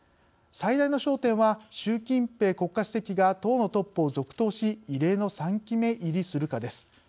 最大の焦点は、習近平国家主席が党のトップを続投し異例の３期目入りするかです。